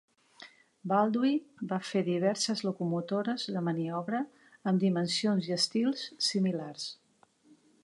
Baldwin va fer diverses locomotores de maniobra amb dimensions i estils similars.